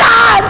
aku ada lurus